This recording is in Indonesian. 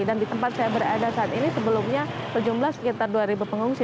dan di tempat saya berada saat ini sebelumnya sejumlah sekitar dua ribu pengungsi